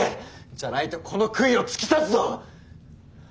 じゃないとこの杭を突き刺すぞ！